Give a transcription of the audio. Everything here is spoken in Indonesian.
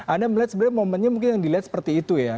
anda melihat sebenarnya momennya mungkin yang dilihat seperti itu ya